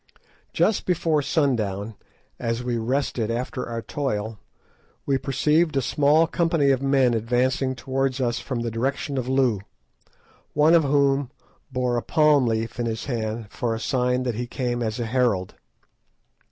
Just before sundown, as we rested after our toil, we perceived a small company of men advancing towards us from the direction of Loo, one of whom bore a palm leaf in his hand for a sign that he came as a herald.